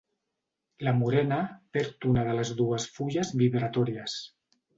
La morera perd una de les dues fulles vibratòries.